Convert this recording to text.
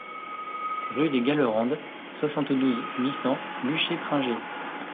Rue de Gallerande, soixante-douze, huit cents Luché-Pringé